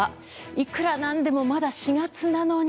いくら何でも、まだ４月なのに。